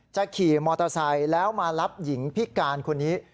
ขี่มอเตอร์ไซค์แล้วมารับหญิงพิการคนนี้